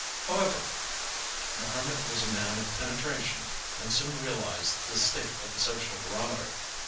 However, the Hermit was a man of penetration and soon realized the state of the social barometer.